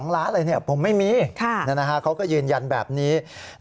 ๑๒ล้าอะไรผมไม่มีนั่นนะฮะเขาก็ยืนยันแบบนี้ค่ะ